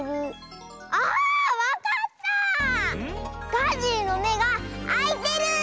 ガジリのめがあいてる！